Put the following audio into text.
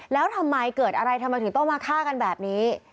แล้วทำไมเกิดอะไรทำไมถึงต้องมาฆ่ากันแบบนี้